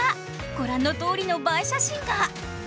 ご覧のとおりの映え写真が。